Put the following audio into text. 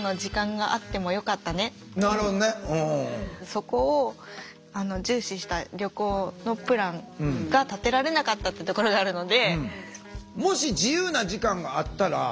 そこを重視した旅行のプランが立てられなかったってところがあるので。